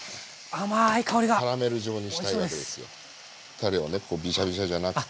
たれをねビシャビシャじゃなくて。